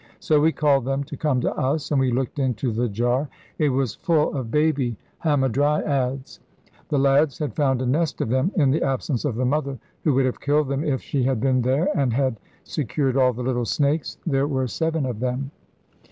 So we called them to come to us, and we looked into the jar. It was full of baby hamadryads. The lads had found a nest of them in the absence of the mother, who would have killed them if she had been there, and had secured all the little snakes. There were seven of them.